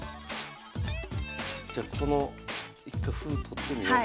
じゃこの一回歩取ってみよう。